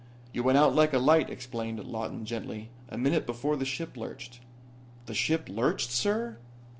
"You went out like a light," explained Lawton gently. "A minute before the ship lurched." "The ship lurched, sir?"